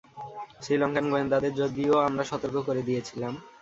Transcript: Sri Lankan গোয়েন্দাদের যদিও আমরা সতর্ক করে দিয়েছিলাম।